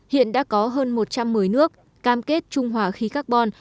hiện đã có hơn một trăm một mươi nước cam kết trung hòa khí carbon